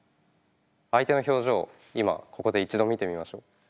相手の表情を今ここで一度見てみましょう。